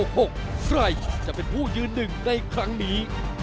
ใครจะเป็นผู้ยืนหนึ่งในครั้งนี้